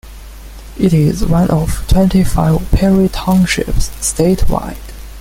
It is one of twenty-five Perry Townships statewide.